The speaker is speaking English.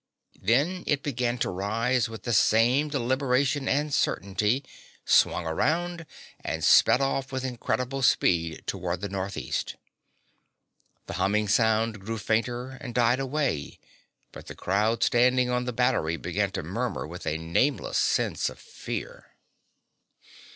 Then it began to rise with the same deliberation and certainty, swung around, and sped off with incredible speed toward the northeast. The humming sound grew fainter and died away, but the crowd standing on the Battery began to murmur with a nameless sense of fear.